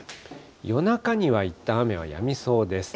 夜中にはいったん、雨はやみそうです。